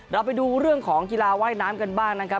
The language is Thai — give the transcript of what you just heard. เราไปดูเรื่องของกีฬาว่ายน้ำกันบ้างนะครับ